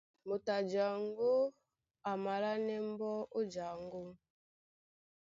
Moto a jaŋgó a malánɛ́ mbɔ́ ó jaŋgó.